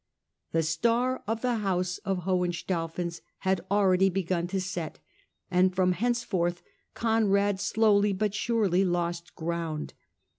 The star of the house of Hohenstaufens had already begun to set, and from henceforth Conrad slowly but surely lost ground.